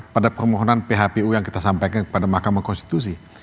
pada permohonan phpu yang kita sampaikan kepada mahkamah konstitusi